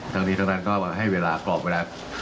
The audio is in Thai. ทั้งนี้ทั้งนั้นก็ให้เวลากรอบเวลา